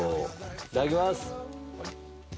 いただきます。